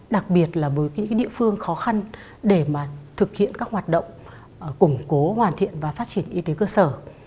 đặc biệt là với những địa phương khó khăn để mà thực hiện các hoạt động củng cố hoàn thiện và phát triển y tế cơ sở